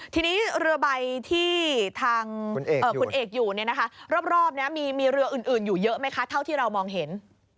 ทีนี้เรือใบที่ทางคุณเอกอยู่รอบนี้มีเรืออื่นอยู่เยอะไหมคะเท่าที่เรามองเห็น